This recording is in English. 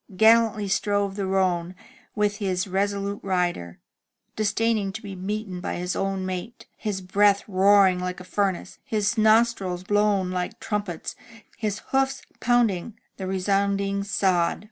Gallantly strove the roan with his resolute rider, disdaining to be beaten by his own mate, his breath roaring like a furnace, his nostrils blown like trumpets, his hoofs poimding the resounding sod.